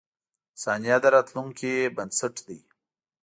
• ثانیه د راتلونکې بنسټ دی.